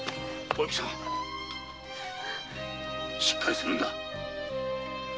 しっかりするんだ。